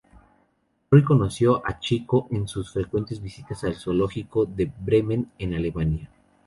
Roy conoció a Chico en sus frecuentes visitas al Zoológico de Bremen en Alemania.